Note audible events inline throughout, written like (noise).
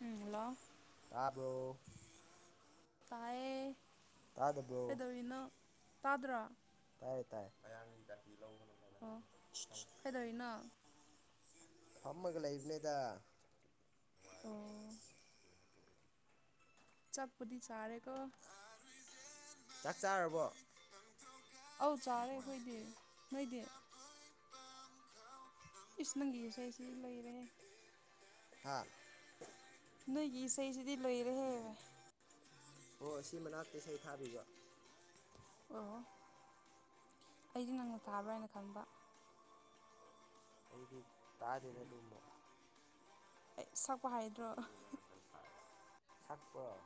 ꯎꯝ hello ꯑꯥꯕꯣ ꯇꯌꯦ ꯇꯥꯗꯕꯣ ꯄꯥꯗ꯭ꯔ ꯇꯥꯏꯌꯦ ꯇꯥꯏ ꯑꯣ ꯀꯩꯗꯧꯔꯤꯅꯣ ꯐꯝꯃꯒ ꯂꯩꯕꯅꯤꯗ ꯑꯣ ꯆꯠꯄꯨꯠꯇꯗꯤ ꯆꯥꯔꯦꯀ ꯆꯥꯛ ꯆꯥꯔꯕꯣ ꯑꯧ ꯆꯥꯔꯦ ꯑꯩꯈꯣꯏꯗꯤ ꯅꯣꯏꯗꯤ ꯏꯁ ꯅꯪꯒꯤꯁ ꯑꯩꯁꯤ ꯂꯣꯏꯔꯦ ꯍꯥ ꯅꯣꯏꯒꯤ ꯏꯁꯩꯁꯤꯗꯤ ꯂꯣꯏꯔꯦꯍꯦꯕ ꯍꯣꯏ ꯁꯤ ꯃꯅꯥꯛꯇꯤ ꯏꯁꯩ ꯊꯥꯕꯤꯕ ꯑꯣ ꯑꯩꯗꯤ ꯅꯪꯅ ꯊꯥꯕ꯭ꯔꯥ ꯍꯥꯏꯅ ꯈꯟꯕ ꯑꯩꯗꯤ ꯇꯥꯔꯅ ꯂꯕ ꯍ ꯁꯛꯄ ꯍꯥꯏꯗ꯭ꯔꯣ ꯆꯠꯄꯔ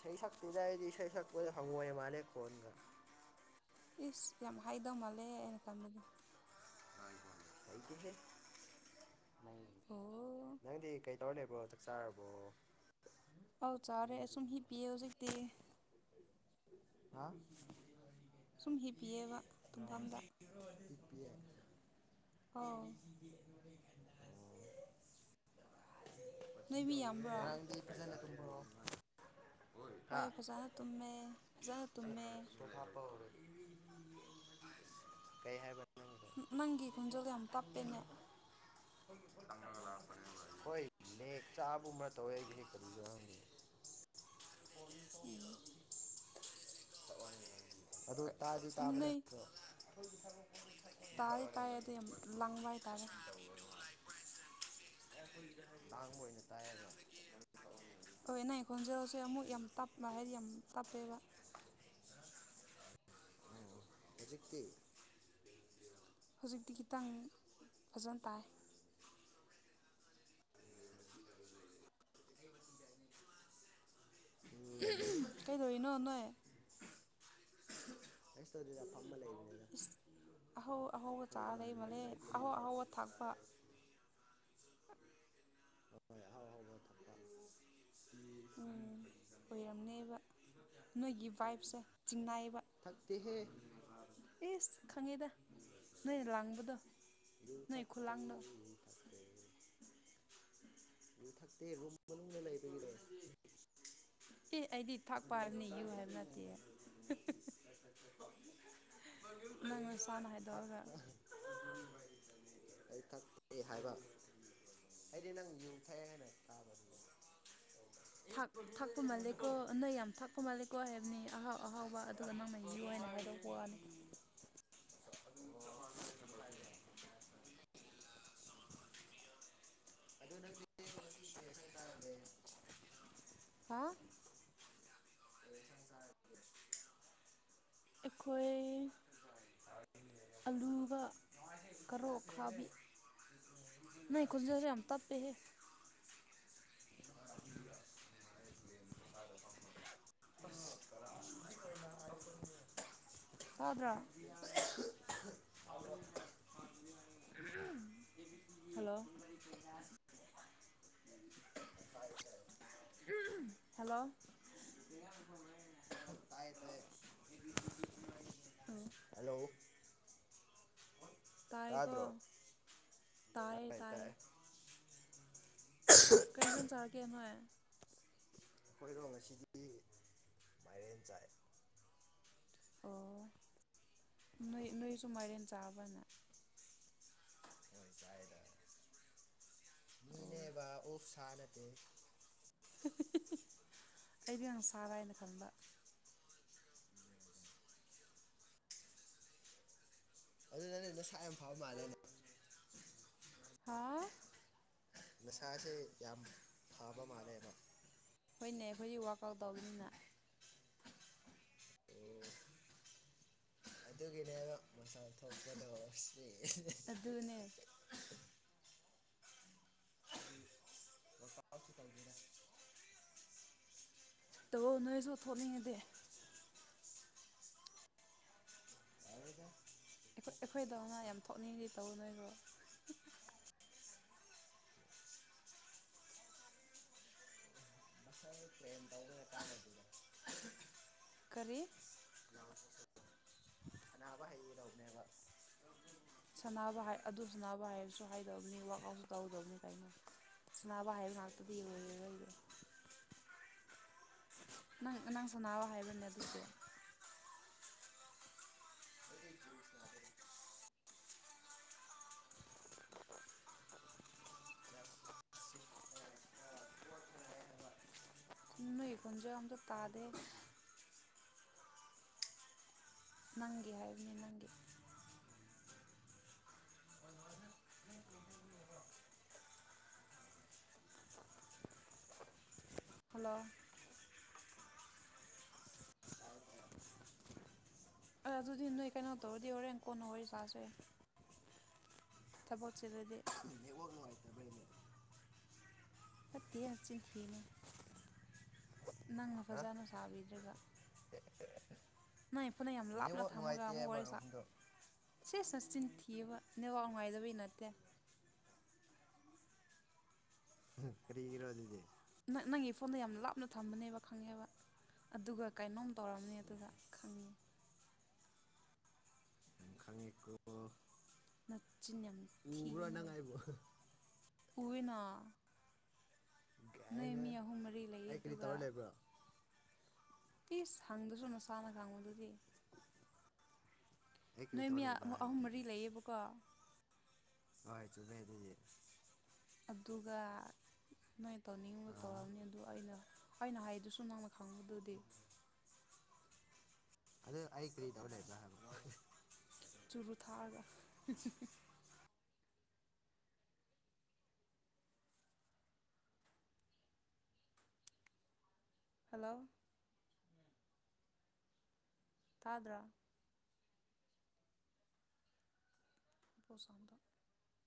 ꯁꯩꯁ ꯁꯨꯖꯏꯗꯤ ꯁꯩꯁ ꯍꯪꯦ ꯃꯥꯂꯦ ꯀꯣꯟꯒ ꯏꯁ ꯌꯥꯝ ꯍꯥꯏꯗꯧ ꯃꯥꯜꯂꯦ ꯑꯩꯅ ꯈꯟꯕꯗꯤ ꯑꯩꯗꯤ ꯍꯦ ꯪ ꯑꯣ ꯅꯪꯗꯤ ꯀꯩꯇꯧꯔ ꯂꯩꯕ꯭ꯔꯣ ꯆꯥꯛ ꯆꯥꯔꯕꯣ ꯑꯧ ꯆꯥꯔꯦ ꯁꯨꯝ ꯍꯤꯞ ꯄꯤꯌꯦꯦ ꯍꯧꯖꯤꯛꯇꯤ ꯍꯥ ꯁꯨꯝ ꯍꯤꯞꯄꯤꯑꯕ ꯇꯨꯝꯐꯝꯗ ꯄꯤꯛꯄꯤꯌꯦ ꯑꯧ (inaudible) ꯅꯣꯏꯕꯤ ꯌꯥꯝꯕ꯭ꯔꯥ ꯉꯔꯥꯡꯗꯤ ꯐꯖꯅ ꯇꯨꯝꯕ꯭ꯔꯣ ꯍꯥ ꯍꯣꯏ ꯐꯖꯅ ꯇꯨꯝꯃꯦ ꯐꯖꯅ ꯇꯨꯝꯃꯦ ꯁꯣꯞ ꯍꯥꯞꯄ ꯍꯧꯔꯦ ꯀꯩ ꯍꯥꯏ ꯅꯪꯒꯤ ꯈꯣꯟꯖꯦꯜ ꯌꯥꯝ ꯇꯥꯞꯄꯦꯅꯦ ꯆꯪꯉꯒ ꯍꯣꯏ ꯂꯦꯛ ꯆꯥꯕ ꯑꯃ ꯇꯧꯋꯦ ꯑꯩꯁꯦ ꯀꯔꯤ ꯌꯥꯎꯔꯝꯒꯦ ꯎ ꯑꯗꯨ ꯇꯥꯗꯤ ꯅꯣꯏ ꯇꯥꯕꯅꯦ꯭ꯔ ꯇꯥꯗꯤ ꯇꯥꯏ ꯑꯗꯨꯗ ꯌꯥꯝ ꯂꯪꯕ ꯍꯥꯏꯇꯥꯥꯔꯦ ꯑꯥꯡꯕ ꯑꯣꯏꯅ ꯇꯥꯏꯌꯦꯒ ꯍꯣꯏ ꯑ ꯅ ꯑꯩꯈꯣꯟꯖꯦꯜ ꯍꯧꯁꯦ ꯑꯃꯨꯛ ꯌꯥꯝ ꯇꯞꯄ ꯍꯥꯏꯗꯤ ꯌꯥꯝ ꯇꯞꯄꯦꯕ ꯍꯧꯖꯤꯛꯇꯤ ꯍꯧꯖꯤꯛꯇꯤ ꯈꯤꯇꯪ ꯐꯖꯅ ꯇꯥꯏ ꯎꯝ ꯀꯩꯗꯧꯔꯤꯅꯣ ꯅꯥꯏ ꯑꯦꯁ ꯑꯣꯏꯗ ꯄꯝꯕ ꯂꯩ ꯏꯁ ꯑꯍꯧ ꯑꯍꯧꯕ ꯆꯥꯔ ꯂꯩ ꯃꯥꯜꯂꯦ ꯑꯩꯈꯣꯏ ꯏꯃꯥꯟꯅꯕ ꯈꯣꯏ ꯑꯍꯥꯎ ꯄꯨꯜꯂꯒ ꯑꯍꯥꯎꯕ ꯊꯥꯛꯄ ꯍ ꯍꯥꯎ ꯍꯕ ꯊ ꯎꯝ ꯑꯣꯏꯔꯝꯅꯦꯕ ꯅꯣꯏꯒꯤ ꯚꯥꯏꯞꯁꯦ ꯆꯤꯡꯅꯥꯏꯌꯦꯕ ꯊꯛꯇ ꯍ ꯏꯁꯁ ꯈꯪꯉꯤꯗ ꯅꯣꯏ ꯂꯥꯡꯕꯗꯣ ꯌꯨ ꯅꯣꯏ ꯊꯛꯇꯦ ꯈꯨꯂꯥꯡꯗꯣ ꯌꯨ (inaudible) ꯌꯨꯊꯛꯇꯦ ꯔꯨꯝ ꯃꯅꯨꯡꯗꯅ ꯂꯩꯕ ꯑꯦ ꯑꯩꯗꯤ ꯊꯥꯛꯄ ꯍꯥꯏꯕꯅꯤ ꯌꯨ ꯍꯥꯏꯕ ꯅꯠꯇꯦ ꯅꯪ ꯅꯁꯥꯅ ꯍꯥꯏꯗꯣꯛꯑꯒ ꯀ ꯊꯦ ꯍꯥꯏꯕ ꯑꯩꯗꯤ ꯅꯪ ꯌꯨꯊꯩ ꯍꯥꯏꯅ ꯇꯥꯕꯅꯤ ꯊ ꯊꯥꯛꯄ ꯃꯥꯜꯂꯦꯀꯣ ꯅꯪ ꯌꯥꯝ ꯊꯥꯛꯄ ꯃꯥꯜꯂꯦꯀꯣ ꯍꯥꯏꯕꯅꯤ ꯑꯍꯥꯎ ꯑꯍꯥꯎꯕ ꯑꯗꯨꯒ ꯅꯪꯅ ꯌꯌꯨ ꯍꯥꯏꯅ ꯍꯥꯏꯗꯣꯛꯄ ꯋꯥꯅꯤ ꯑꯗꯨ ꯀ (unintelligible) ꯑꯩꯈꯣꯏ ꯑꯂꯨꯒ ꯀꯔꯣ ꯈꯥꯕꯤ ꯅ ꯈꯨꯟꯖꯁꯦ ꯌꯥꯝ ꯇꯞꯄꯦꯍꯦ ꯍꯗ꯭ꯔꯥ ꯍꯂꯣ ꯍꯂꯣ ꯑ ꯍꯂꯣ ꯇꯥꯏꯒꯣ ꯇꯥꯏ ꯇꯥꯏ ꯀꯔꯤꯇꯝ ꯆꯥꯔꯒꯦ ꯅꯣꯏ ꯑꯩꯈꯣꯏꯔꯣꯡ ꯑꯁꯤꯗꯤ ꯃꯥꯏꯔꯦꯟ ꯆꯥꯏ ꯑꯣ ꯅꯣꯏ ꯅꯣꯏꯁꯨ ꯃꯥꯏꯔꯦꯟ ꯆꯥꯕ꯭ꯔꯅ ꯑꯣ ꯑꯣꯐ ꯁꯠꯇ ꯑꯩꯗꯤ ꯉ ꯁꯥꯔ ꯍꯥꯏꯅ ꯈꯪꯕ ꯅꯦꯅ ꯁꯥꯏ ꯌꯥꯝ ꯐꯥꯎꯕ ꯃꯥꯜꯂꯦꯅꯦ ꯍꯥ ꯃꯁꯥꯥꯁꯦ ꯌꯥꯝ ꯄꯥꯕ ꯃꯥꯔꯅꯣ ꯍꯣꯏꯅꯦ ꯑꯩꯈꯣꯏꯗꯤ ꯋꯔꯥꯛ ꯑꯥꯎꯠ ꯇꯧꯕꯅꯤꯅ ꯑꯗꯨꯒꯤꯅꯦꯕ ꯃꯆꯥꯥ ꯊꯣꯛꯀꯗꯁꯤ ꯑꯗꯨ ꯑꯗꯨꯅꯦ ꯇꯕꯣ ꯅꯣꯏꯁꯨ ꯊꯣꯛꯅꯤꯡꯉꯗꯤ ꯑꯩꯈꯣꯏꯗꯧꯅ ꯌꯥꯝ ꯊꯣꯛꯅꯤꯡꯗꯤ ꯇꯧ ꯅꯣꯢꯔꯣ ꯀꯔꯤ ꯁꯥꯟꯅꯕ ꯍꯥꯏ ꯑꯗꯨ ꯁꯥꯟꯅꯕ ꯍꯥꯏꯕꯁꯨ ꯍꯥꯏꯗꯕꯅꯤ ꯋꯥꯋꯔꯥꯛ ꯑꯥꯎꯠꯁꯨ ꯇꯧꯒꯗꯕꯅꯤ ꯀꯥꯏꯅꯣ ꯁꯅꯥꯅꯕ ꯍꯥꯏꯕ ꯉꯥꯛꯇꯨꯗꯤ ꯑꯣꯏꯔꯔꯣꯏꯔꯦ ꯅꯪ ꯅꯪ ꯁꯥꯟꯅꯥꯑꯣ ꯍꯥꯏꯕ꯭ꯔꯅꯦ ꯑꯗꯨꯗꯤ ꯅꯣꯏ ꯈꯣꯟꯖ ꯑꯝꯗ ꯇꯥꯗꯦ ꯅꯪꯒꯤ ꯍꯥꯏꯕꯅꯤ ꯅꯪꯒꯤ ꯍꯜꯂꯣ ꯑ ꯑꯗꯨꯗꯤ ꯅꯣꯏ ꯀꯩꯅꯣ ꯇꯧꯔꯗꯤ ꯍꯣꯔꯦꯟ ꯀꯣꯟꯅ ꯋꯥꯔꯤ ꯁꯥꯁꯦ ꯊꯕꯛ ꯆꯤꯜꯂꯗꯤ (unintelligible) ꯅꯠꯇꯦꯍꯦ ꯆꯤꯟ ꯊꯤꯅꯨ ꯅꯪꯅ ꯍꯥ ꯐꯖꯅ ꯁꯥꯕꯤꯗ꯭ꯔꯒ ꯅꯪ ꯐꯅ ꯌꯥꯝ ꯂꯥꯞꯅ ꯅꯦꯠꯋꯥꯛ ꯊꯝꯃꯒ ꯑꯃꯨꯛ ꯅꯨꯡꯉꯥꯏꯇꯦꯕ ꯋꯥꯔꯤ ꯁꯥ ꯔꯨꯝꯗꯣ ꯁꯦ ꯁꯠꯆꯤꯟ ꯊꯤꯑꯕ ꯅꯦꯋꯥ ꯉꯥꯏꯗꯕꯩ ꯅꯠꯇꯦ ꯈꯔꯤꯒꯤꯔꯣ ꯑꯗꯨꯗꯤ ꯅꯪ ꯅꯪꯒꯤ ꯐꯣꯟꯗ ꯌꯥꯝ ꯂꯥꯞꯅ ꯊꯝꯕꯅꯦꯕ ꯈꯪꯉꯦꯕ ꯑꯗꯨꯒ ꯀꯩꯅꯣꯝ ꯇꯧꯔꯝꯅꯤ ꯑꯗꯨꯒ ꯈꯪꯉꯦ ꯌꯥꯝ ꯈꯪꯉꯦꯀꯣ ꯅꯆꯤꯟ ꯌꯥꯝ ꯀꯥꯅꯉꯥꯏꯕ ꯎꯅ ꯅꯣꯏ ꯀꯥꯏꯅ ꯃ꯭ꯌꯥꯥꯍꯨꯝꯔꯤ ꯑꯩ ꯀꯔꯤ ꯇꯧꯔ ꯂꯩꯕ꯭ꯔꯣ ꯏꯁꯤꯁ ꯍꯪꯗꯁꯨ ꯅꯁꯥꯅ ꯈꯥꯡꯕꯗꯨꯗꯤ ꯑꯩ ꯀꯔꯤ ꯅꯣꯏ ꯇꯧꯔ ꯃꯤ ꯂꯩꯕ꯭ꯔꯥ ꯑꯍꯨꯝ ꯍꯥꯏꯕꯅꯤꯗ ꯃꯔꯤ ꯂꯩꯌꯦꯕꯀꯣ ꯍꯣꯏ ꯆꯠꯅꯒꯤꯌꯦ ꯑꯗꯨꯒ ꯅꯣꯏ ꯇꯧꯅꯤꯡꯉꯤꯕ ꯑꯥ ꯇꯧꯔꯑꯅꯤ ꯑꯗꯨ ꯑꯩꯅ ꯑꯩꯅ ꯍꯥꯏꯗꯨꯁꯨ ꯅꯪꯅ ꯈꯪꯕꯗꯨꯗꯤ (unintelligible) ꯑꯗꯨꯗ ꯑꯏ ꯀꯩꯗꯧꯔꯦ ꯍꯥꯏꯕꯅꯣꯕ ꯆꯨꯔꯨ ꯊꯥꯛꯑꯒ ꯍꯜꯂꯣ ꯇꯥꯗ꯭ꯔ ꯄꯁꯥꯟꯗ